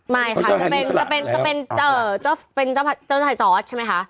ไม่ค่ะจะเป็นเจ้าชายจอร์ดใช่ไหมคะ